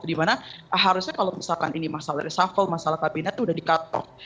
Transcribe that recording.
dimana harusnya kalau misalkan ini masalah resafal masalah kabinet itu udah di cut off